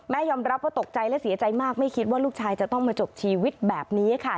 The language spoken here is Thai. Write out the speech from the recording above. ยอมรับว่าตกใจและเสียใจมากไม่คิดว่าลูกชายจะต้องมาจบชีวิตแบบนี้ค่ะ